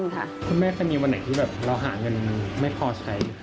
คุณแม่จะมีวันไหนที่แบบเราหาเงินไม่พอใช้